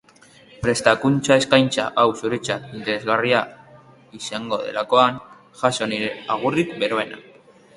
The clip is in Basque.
Prestakuntza-eskaintza hau zuretzat interesgarria izango delakoan, jaso nire agurrik beroena.